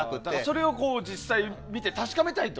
それを実際見て確かめたいと。